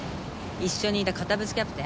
一緒にいた堅物キャプテン